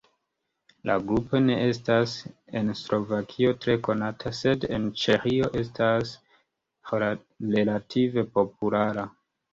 La grupo ne estas en Slovakio tre konata, sed en Ĉeĥio estas relative populara.